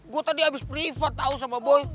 gue tadi habis privat tau sama boy